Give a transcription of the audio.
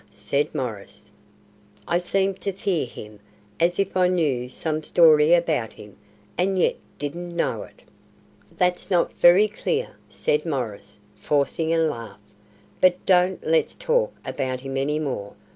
said Maurice. "I seem to fear him, as if I knew some story about him, and yet didn't know it." "That's not very clear," said Maurice, forcing a laugh, "but don't let's talk about him any more.